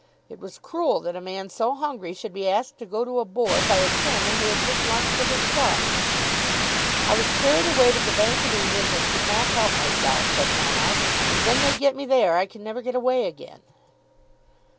It was cruel that a man so hungry should be asked to go to a Board by a chairman who had just lunched at his club. "I was carried away to the Bank of England and could not help myself," said Melmotte. "And when they get me there I can never get away again."